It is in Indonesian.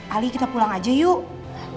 ali kita pulang aja yuk